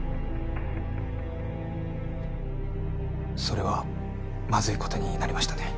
それはまずい事になりましたね。